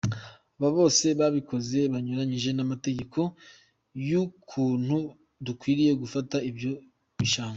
Abo bose babikoze banyuranyije n’amategeko y’ukuntu dukwiriye gufata ibyo bishanga.